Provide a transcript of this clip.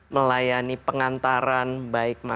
melayani pengguna dan juga melayani penumpang